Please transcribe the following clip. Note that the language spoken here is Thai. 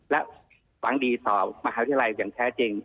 และหวังดีต่อมหาวิทยาลัยอย่างแท้จริง